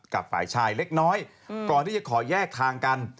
กับฝ่ายชายเล็กน้อยก่อนที่จะขอแยกทางกัน